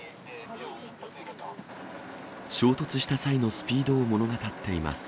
衝突した際のスピードを物語っています。